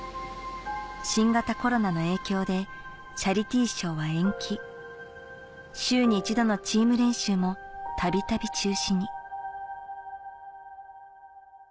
新型コロナの影響でチャリティーショーは延期週に１度のチーム練習も度々中止に